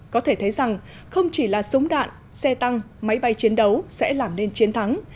có thể thấy rằng không chỉ là súng đạn xe tăng máy bay chiến đấu sẽ làm nên chiến thắng